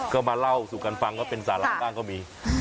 ก็มาเล่าสู่กันฟังว่าเป็นสาระบ้างก็มี